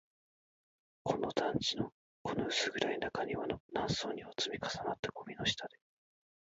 この団地の、この薄暗い中庭の、何層にも積み重なったゴミの下で